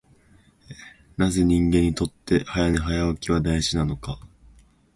なぜ人間にとって早寝早起きは大事なのか。